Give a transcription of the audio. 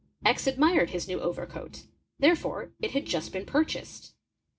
X ad " Binired his new overcoat, therefore it had just been purchased.